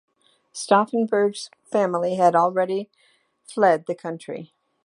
Stauffenberg's family had already fled the country.